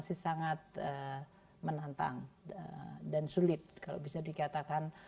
masih sangat menantang dan sulit kalau bisa dikatakan